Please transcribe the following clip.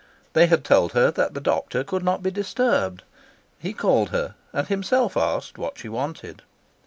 They had told her that the doctor could not be disturbed. He called her, and himself asked what she wanted.